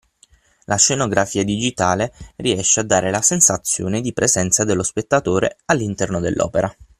La scenografia digitale riesce a dare la sensazione di presenza dello spettatore all’interno dell’opera.